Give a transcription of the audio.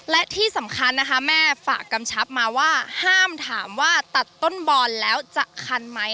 และที่สำคัญนะคะแม่ฝากกำชับมาว่าห้ามถามว่าตัดต้นบอลแล้วจะคันไหม